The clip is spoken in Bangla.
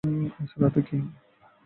আজ রাতে কি?